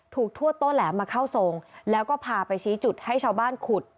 ทวดโต้แหลมมาเข้าทรงแล้วก็พาไปชี้จุดให้ชาวบ้านขุด